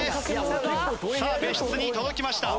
さあ別室に届きました。